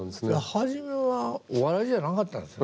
初めはお笑いじゃなかったんですね。